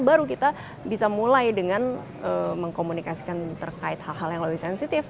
baru kita bisa mulai dengan mengkomunikasikan terkait hal hal yang lebih sensitif